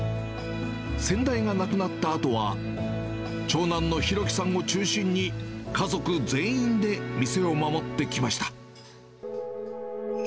先代が亡くなったあとは、長男の寛樹さんを中心に家族全員で店を守ってきました。